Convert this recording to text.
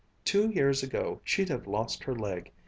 Two years ago she'd have lost her leg.